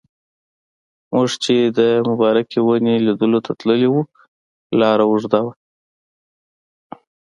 موږ چې د مبارکې ونې لیدلو ته تللي وو لاره اوږده وه.